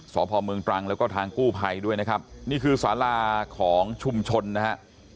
สพเมืองตรังแล้วก็ทางกู้ภัยด้วยนะครับนี่คือสาราของชุมชนนะฮะ